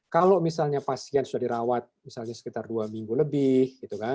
kalau misalnya pasien sudah dirawat misalnya sekitar dua minggu lebih